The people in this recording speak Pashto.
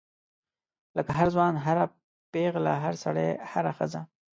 لکه هر ځوان هر پیغله هر سړی هره ښځه.